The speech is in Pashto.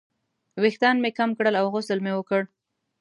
ویښتان مې کم کړل او غسل مې وکړ.